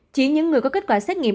chỉ những người có kết quả xét nghiệm